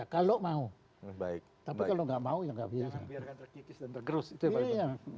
jangan biarkan terkikis dan tergerus itu ya pak ibu